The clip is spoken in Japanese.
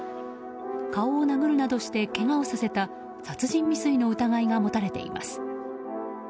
顔を殴るなどして、けがをさせた殺人未遂の疑いが持たれています。